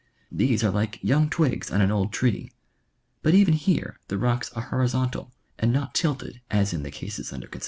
These are like young twigs on an old tree. But even here the rocks are horizontal, and not tilted as in the cases under consideration.